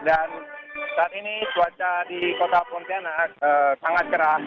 dan saat ini cuaca di kota pontianak sangat keras